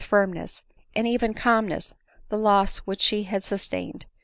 firmness* and even calmness* the loss which due bad tained.